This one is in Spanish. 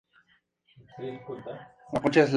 Es el equivalente en cuanto a líquidos al túnel de viento.